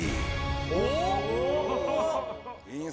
おっ？